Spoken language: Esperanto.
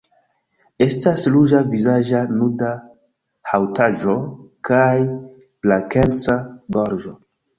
Estas ruĝa vizaĝa nuda haŭtaĵo kaj blankeca gorĝo.